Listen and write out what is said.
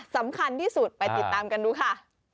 สำคัญที่สุดไปติดตามกันดูค่ะ